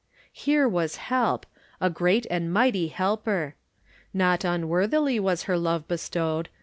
Here was help — a great and mighty Helper. Not unworthily was her love bestowed.